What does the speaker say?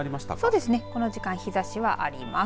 そうですね、この時間日ざしはあります。